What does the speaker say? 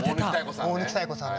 大貫妙子さんね。